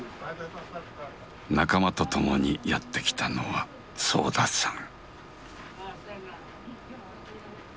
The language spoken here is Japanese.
仲間と共にやって来たのは惣田さん。